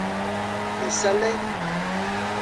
Mais ça l’est